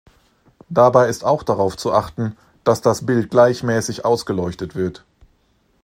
Dabei ist auch darauf zu achten, dass das Bild gleichmäßig ausgeleuchtet wird.